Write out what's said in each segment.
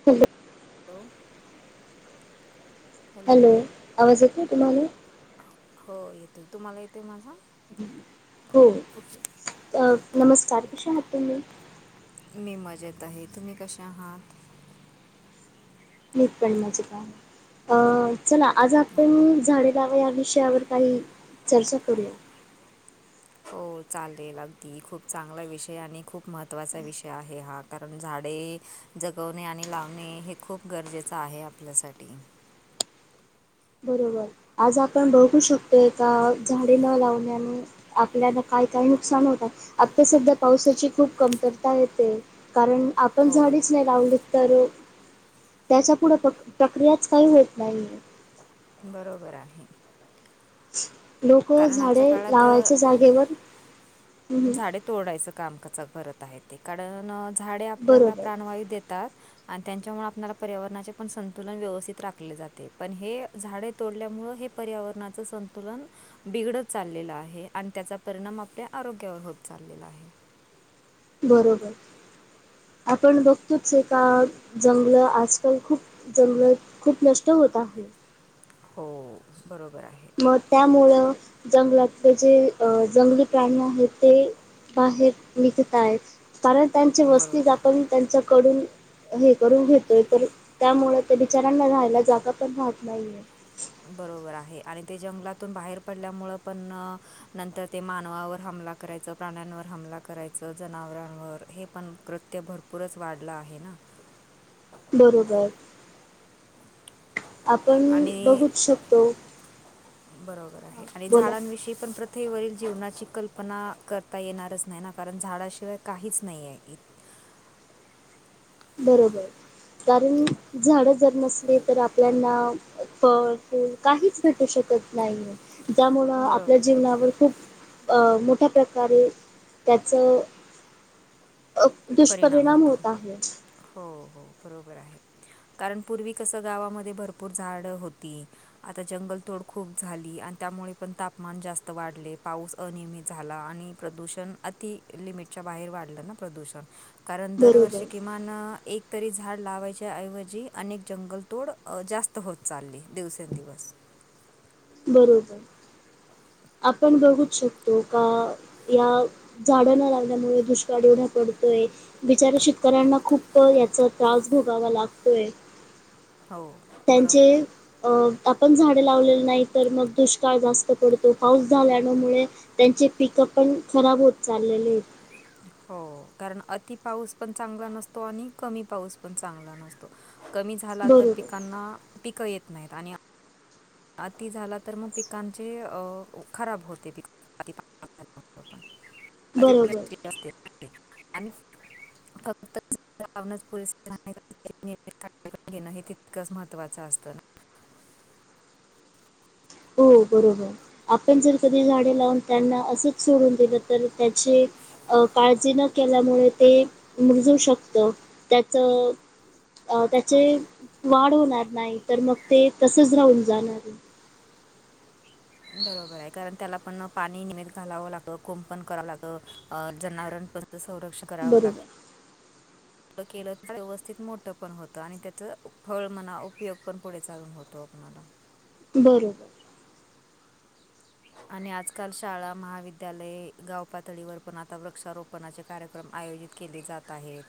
[unintelligible] [inaudible] Hello? Hello, आवाज येतोय ना तुम्हाला? हो येतोय तुम्हाला येतोय माझा हो नमस्कार कशा आहात तुम्ही मी मजेत आहे तुम्ही कसे आहात मी पण मजेत आहे अ चला आज हो आपण झाडे या विषयावर काही चर्चा करूया हो चालेल अगदी खूप चांगला विषय आणि खूप महत्त्वाचा विषय आहे हा कारण झाडे जगवणे आणि लावणे हे खूप गरजेचं आहे आपल्यासाठी बरोबर आज आपण बघू शकतोय का झाडे न लावण्याने आपल्याला काय काय नुकसान होतात आता सध्या पावसाची खूप कमतरता येते कारण आप पण हो झाडीच नाही लावली तर त्याच्या पुढे प्र प्रक्रियाच काही होत नाहीये बरोबर आहे लोक कारण झाडे आजच्या काळात लावायच्या जागेवर हम्म, झाडे तोडायचं काम कच करत आहे ते कारण झाडे आपल्याला बरोबर प्राणवायू देत त्यात आणि त्यांच्यामुळे आपणला पर्यावरणाचे पण संतुलन व्यवस्थित राखले जाते पण हे झाडे तोडल्यामुळ हे पर्यावरणाचं संतुलन बिघडत चाललेलं आहे आणि त्याचा परिणाम आपल्या आरोग्यावर होत चाललेलं आहे. बरोबर आपण बघतोच आहे का जंगल आजकाल खूप जंगल खूप नष्ट होत आहेत. हो बरोबर आहे. मग त्यामुळं जंगलातले जे अ जंगली प्राणी आहेत ते बाहेर निघत आहेत कारण त्यांची वस्ती बरोबर आपण आहे त्यांच्याकडून हे करून घेतोय तर त्यामुळे त्या बिचऱ्यांना राहायला जागा पण राहत नाहीये. बरोबर आहे आणि ते जंगलातून बाहेर पडल्यामुळं पण नंतर ते मानवावर हमला करायचं प्राण्यांवर हमला करायचं जनावरांवर हे पण कृत्य भरपूरच वाढलं आहे ना. बरोबर आपण आणि बघूच शकतो. हां, बरोबर आहे आणि बोला. झाडांविषयी पण प्रत्य कथेवरील जीवनाची कल्पना करता येणारच नाही ना कारण झाडाशिवाय काहीच नाही आहे इ बरोबर कारण झाडं जर नसली तर आपल्याना फळ, फूल काहीच भेटू शकत नाहीये ज्यामुळं आपल्या बरोबर आहे जीवनावर खूप अ मोठ्या प्रकारे त्याचं अ परिणाम दुष्परिणाम होतो होत आहे. हो-हो बरोबर आहे. कारण पूर्वी कसं गावामध्ये भरपूर झाड होती. आता जंगल तोड खूप झाली आणि त्यामुळे पण तापमान जास्त वाढले पाऊस अनियमित झाला आणि प्रदूषण अति लिमिटच्या बाहेर वाढलं ना प्रदूषण कारण बरोबर, दरवर्षी कि मान एक तरी झाड लावायच्या ऐवजी अनेक जंगलतोड जास्त त होत चालली दिवसेंदिवस बरोबर [inaudible] आपण बघू शकतो का या झाडं न लागल्यामुळे दुष्काळी येवढा पडतोय. बिचाऱ्या शेतकऱ्यांना खूप याचा त्रास भोगावा लागतोय. हो त्यांचे बरोबर आहे अ आपण झाड लावलेले नाही तर मग दुष्काळ जास्त पडत तो पाऊस झाल्यानमुळे त्यांचे पिक पण खराब होत चाललेले होते. हो कारण अति पाऊस पण चांगला नसतो आणि कमी पाऊस पण चांगला नसतो. कमी झाला तर बरोबर पिकांना पिकं येत नाहीत आणि अती झाला तर मग पिकांचे खराब होते पीक. अती बरोबर पडायचं असते पाणी आणि. फक्त लवण पुरस राहते. घेण हे तितकंच महत्वाचं असतं. हो बरोबर आपण जर कधी झाडे लावून त्यांना असंच सोडून दिलं. तर त्याची काळजी न केल्यामुळे ते मुरजू शकत त्याच अ ना त्याचे हो वाढ होणार नाही तर मग ते तसच राहून जाणार आहे. बरोबर आहे कारण. त्याला पण पाणी निमत घालावं लागत कोंपण करावं लाग जनावरां पण संरक्षण करावं लागत. [inaudible] केलं तर व्यवस्थित मोठं पण होतं आणि त्याच फळ मणा उपयोग पण पुढे चालून होत. तोपणारला. बरोबर. [unintelligible] आणि आजकाल शाळा महाविद्यालय गाव पातळीवर पण आता वृक्षारोपणाचे. कार्यक्रम आयोजित केले जात आहेत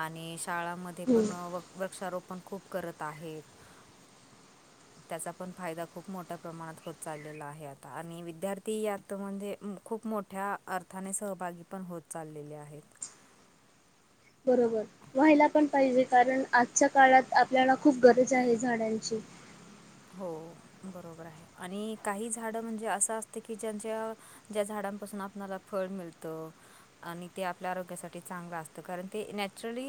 आणि शाळामध्ये हो पण व वृक्षारोपण खूप करत आहेत. त्याचा पण फायदा खूप मोठ्या प्रमाणात होत चाललेला आहे. आणि विद्यार्थी यात म्हणजे खूप मोठ्या अर्थाने सहभागी पण होत चाललेले आहेत. बरोबर... व्हायला पण पाहिजे. कारण आजच्या काळात आपल्याला खूप गरज आहे झाडांची. हो बरोबर आहे आणि काही झाड म्हणजे असं असते की ज्यांच्या. ज्या झाडांपासून आपल्याला फळ मिळतं. आणि ते आपल्या आरोग्यासाठी चांगलं असत. कारण ते नॅचरली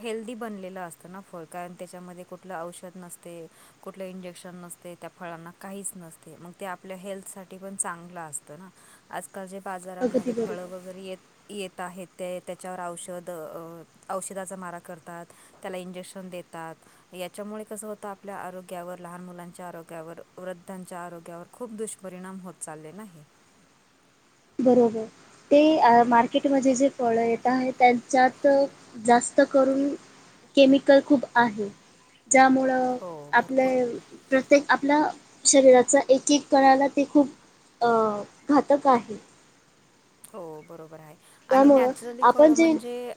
हेल्दी बनलेलं असतं ना फळ. कारण त्याच्यामध्ये कुठलं औषध नसते. कुठलं इंजेक्शन त्या फळांना काहीच नसते. मग ते आपल्या हेल्थसाठी पण चांगलं असतं ना..... आज आता जे अगदी बाजारांमध्ये फळं बरोबर वगैरे येत येत आहेत ते त्याच्यावर औषध औषधाचा मारा करतात. त्याला इंजेक्शन देतात. याच्यामुळे कस होत आपल्या आरोग्यावर. लहान मुलांच्या आरोग्यावर, वृद्धांच्या आरोग्यावर खूप दुष्परिणाम होत चालले ना हे. बरोबर. ते मार्केटमध्ये जे फळ येत आहे. त्यांच्यात जास्त करून. केमिकल खूप आहे. ज्यामुळं हो आपले. भरपूर प्रत्येक आपल्या शरीराचा एक एक करायला ते खूप. घातक आहे. हो बरोबर आहे आणि त्यामुळं नॅचरली फळ आपण जे म्हणजे.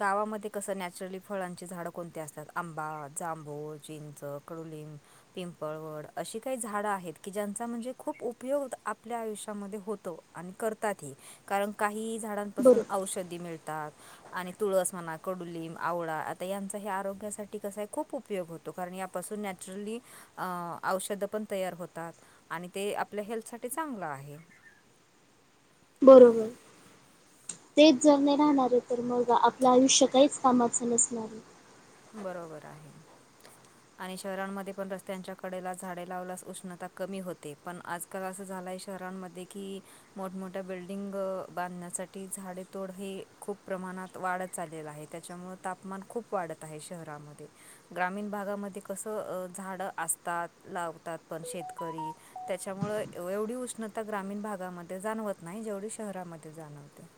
गावामध्ये कसं नॅचरली फळांची झाडं कोणती असतात. आंबा, जांभूळ, चिंच, कडुलिंब. पिंपळ, वड अशी काही झाडं आहेत की ज्यांचा म्हणजे खूप उपयोग आपल्या आयुष्यामध्ये होत. तो आणि करतातही कारण काही झाडांपासून बरोबर औषधी मिळतात. आणि तुळस म्हणा कडुलिंब, आवळा आता यांचा हे आरोग्यासाठी कस आहे खूप उपयोग. उपयोग होतो कारण यापासून नॅचरली औषधं पण तयार होतात. आणि ते आपल्या हेल्थसाठी चांगलं आहे. बरोबर तेच जर नाही राहणारे तर मग आपलं आयुष्य काहीच कामाचं नसणार. बरोबर आहे. [unintelligible] आणि शहरांमध्ये पण रस्त्यांच्या कडेला झाडे लावल्यास उष्णता कमी होते. पण आज तर असं झालं आहे शहरांमध्ये की, मोठमोठ्या बिल्डिंग बांधण्यासाठी झाडेेतोड हे खूप प्रमाणात वाढत चाललेलं आहे. त्याच्यामुळं तापमान खूप वाढत आहे शहरामध्ये. ग्रामीण भागामध्ये कसं झाड असतात. लावतात. पण शेतकरी त्याच्यामुळे एवढी उष्णता ग्रामीण भागामध्ये जाणवत नाही. जेवढी शहरामध्ये जाणवते.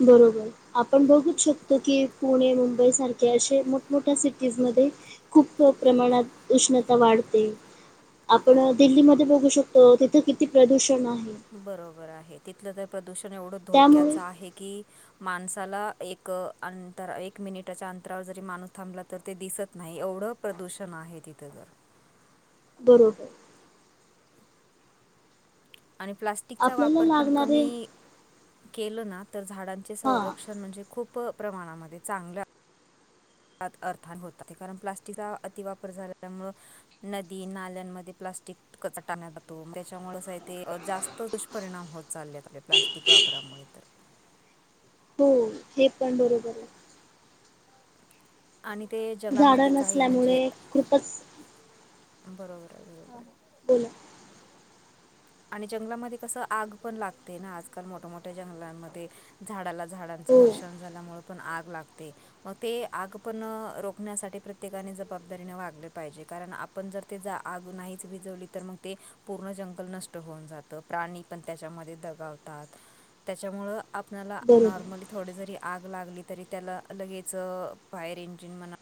बरोबर आपण बघूच शकतो की, पुणे मुंबई सारख की असे मोठमोठ्या सिटीज मध्ये खूप खूप प्रमाणात उष्णता वाढते. आपण हो दिल्लीमध्ये बघू शकतो तिथे किती प्रदूषण आहे. बरोबर आहे. तिथलं तर प्रदूषण एवढं धोक्याच त्यामुळे आहे की, माणसाला एक अंतरा एक मिनिटाच्या अंतरावर जरी माणूस थांबला तर ते दिसत नाही. एवढं प्रदूषण आहे तिथं तर बरोबर आणि प्लास्टिकचा आपल्याला वापर पण लागणारे कमी केलं ना तर झाडांचे हां. संरक्षण म्हणजे खूप प्रमाणामध्ये चांगलं अर्थान होत. कारण प्लास्टिकचा अतिवापर झाल्यामुळे नदी- नाल्यांमध्ये प्लास्टिक कचरा टाकला जातो. मग त्याच्यामुळेच आहे ते जास्त दुष्परिणाम होत चाललेत. आपले प्लास्टिक वापरामुळे तर हो हे पण बरोबर आहे. आणि ते जलामध्ये झाडं काही म्हणजे नसल्यामुळे खूपच बरोबर आहे. हां, बरोबर हां. आहे. बोला... आणि जंगलामध्ये कसं आग पण लागते ना... आजकाल मोठ्यामोठ्या जंगलांमध्ये झाडाला झाडांचं हो. घर्षण झाल्यामुळे पण आग लागते. मग ते आग पण रोखण्यासाठी प्रत्येकाने जबाबदारीने वागले पाहिजे कारण आप आपण जर ते आग नाहीच विजवली तर मग ते पूर्ण जंगल नष्ट होऊन जातं प्राणी पण त्याच्यामध्ये दगावतात त्याच्यामुळे आपल्याला बरोबर. नॉर्मली थोड जरी आग लागली तरी त्याला लगेच फयर इंजिन म्हणा.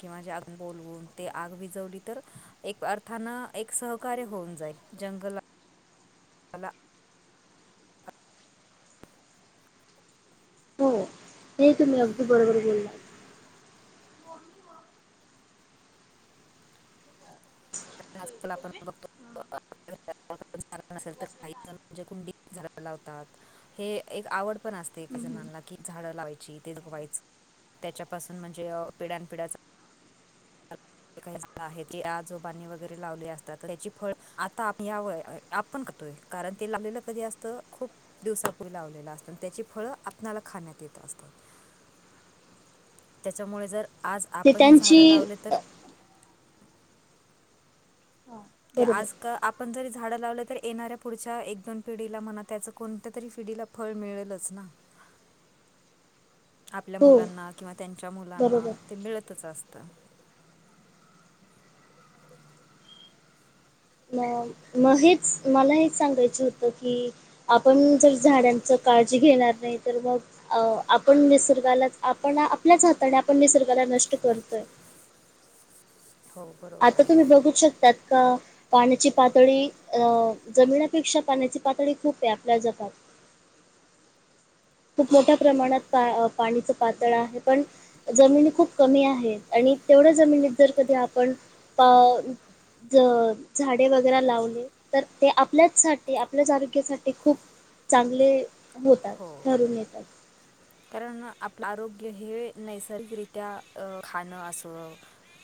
किंवा जे आग बोलवून ते आग विजवली तर एक अर्थान एक सहकार्य होऊन जाईल जंगल आला हो हे तुम्ही अगदी बरोबर बोललात. आजकाल आपण बघतो. झा नसेल तर काही जण म्हणजे कुंडीत झाडं लावतात. हे एक आवड पण असते एका हं, हं. जणला कि झाडं लावायची ते जगवायच. त्याच्यापासून म्हणजे पिढ्यानपिढ्या आहे ते आजोबाणी वगैरे लावली असतात त्याची फळ आता याव.... पण करतोय कारण ते लागलेलं कधी असतं खूप.... दिवसापूर्वी लावलेला असत आणि त्याची फळं आपल्याला खाण्यात येत असतात. ह [unintelligible] त्याच्यामुळे जर आज ते आपण ही त्यांची झाडं लावले अ तर हां. ते बरोबर. आज का आप पण जरी झाडं लावलं तर येणाऱ्या पुढच्या एक दोन पिढीला म्हणा त्याचं कोणत्या तरी पिढीला फळ मिळेलच ना आपल्या हो. मुलांना किंवा त्यांच्या मुलांना बरोबर. ते मिळतच असतं. म म हेच मला हे सांगायच होतं की आपण जर झाडांच काळजी घेणार नाही तर मग आपण निसर्गालाच आपण आपल्याच हाताने पण निसर्गाला नष्ट करतोय. हो. बरोबर आता तुम्ही आहे बघू शकतात का पाण्याची पातळी अ जमिनापेक्षा पाण्याची पातळी खूप आहे आपल्या जगात खूप मोठ्या प्रमाणात पाणीचं पातळ आहे पण जमिनी खूप कमी आहेत आणि तेवढ्या जमिनीत जर कधी आपण ज झाडे वगैरे लावले तर ते आपल्याचसाठी आपल्याच आरोग्यासाठी खूप चांगले होते. हो. कारण आपलं आरोग्य हे नैसर्गिकरित्या खाणं असं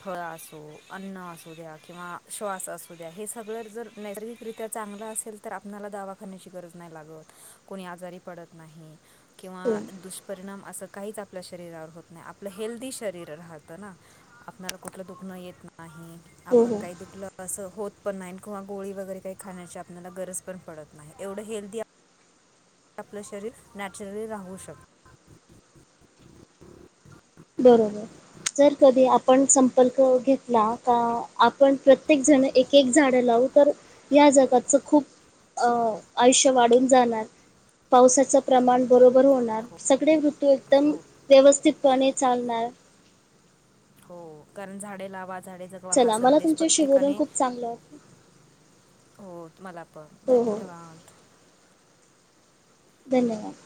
फळ असो अन्न असू द्या किंवा श्वास असू द्या हे सगळं जर नैसर्गिकरित्या चांगला असेल तर आपनाला दवाखानाची गरज नाही लागत कोणी आज पडत नाही किंवा हो दु परिणाम असं काहीच आपल्या शरीरावर होत नाही आपलं हेल्दी शरीर राहतं ना आपला कुठलं दुखणं येत नाही हो आपण हो काही दुखलं अस होत पण नाही किंवा गोळी वगैरे काही खाण्याची आपल्याला गरज पण पडत नाही एवढं हेल्दी आपलं शरीर नॅचरली राहू शकत. बरोबर जर कधी आपण संपर्क घेतला का आपण प्रत्येक जण एक एक झाडं लावू तर या जगाचं खूप आयुष्य वाढून जाणार. पावसाचं प्रमाण बरोबर होणार हो सगळे ऋतू एकदम हो व्यवस्थितपणे चालणार. हो कारण झाडे लावा झाडे जगवा हा चला मला संदेश तुमच्याशी बोलून प्रत्येकाने खूप चांगलं वाटलं. हो तुम्हाला पण हो हो धन्यवाद. धन्यवाद.